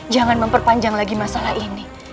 jangan memperpanjang lagi masalah ini